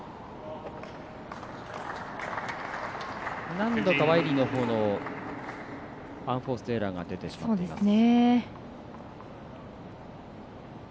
何度かワイリーのほうのアンフォーストエラーが出てしまいました。